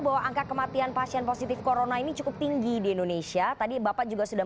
bahwa angka kematian pasien positif corona ini cukup tinggi di indonesia tadi bapak juga sudah